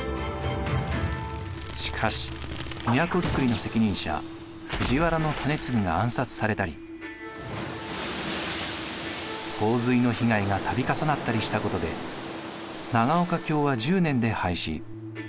しかし都づくりの責任者藤原種継が暗殺されたり洪水の被害が度重なったりしたことで長岡京は１０年で廃止。